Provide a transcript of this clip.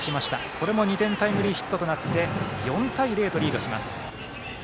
これも２点タイムリーヒットとなって４対０とリードします。